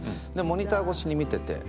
モニター越しに見てて。